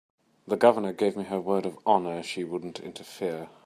The Governor gave me her word of honor she wouldn't interfere.